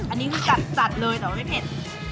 อันนี้คือจัดเลยแต่ว่าไม่เผ็ด